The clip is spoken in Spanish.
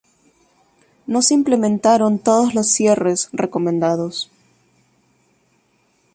No se implementaron todos los cierres recomendados.